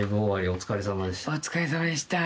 お疲れさまでした。